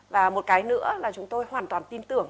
và một cái nữa là chúng tôi hoàn toàn tin tưởng